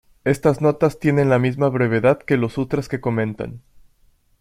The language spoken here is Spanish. Estas notas tienen la misma brevedad que los sutras que comentan.